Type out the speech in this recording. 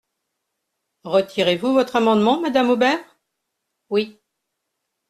Retirez-vous votre amendement, madame Hobert ? Oui.